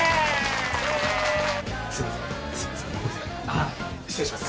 あっ失礼します